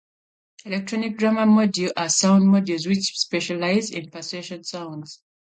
Electronic drum module are sound modules which specialize in percussion sounds.